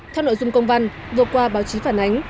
theo nội dung công văn vừa qua báo chí phản ánh